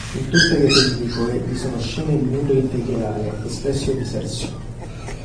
In tutte le pellicole vi sono scene di nudo integrale e spesso di sesso.